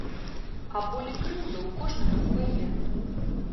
А боль і крыўда ў кожнага свае.